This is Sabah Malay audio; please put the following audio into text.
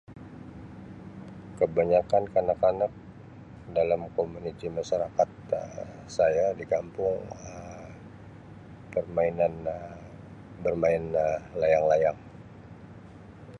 Kebanyakkan kanak-kanak dalam komuniti masyarakat Um saya di kampung Um permainan Um bermain Um layang-layang.